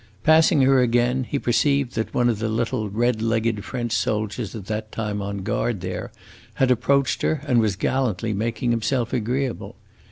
Passing her again, he perceived that one of the little red legged French soldiers at that time on guard there had approached her and was gallantly making himself agreeable.